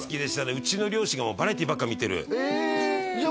うちの両親がバラエティーばっか見てるじゃあ